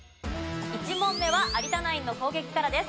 １問目は有田ナインの攻撃からです。